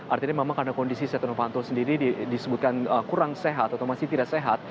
artinya memang karena kondisi setia novanto sendiri disebutkan kurang sehat atau masih tidak sehat